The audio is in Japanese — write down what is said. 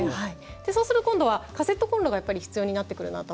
そうすると、今度はカセットコンロが必要になってくるなと。